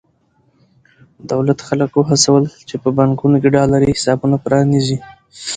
دولت خلک وهڅول چې په بانکونو کې ډالري حسابونه پرانېزي.